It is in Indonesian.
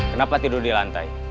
kenapa tidur di lantai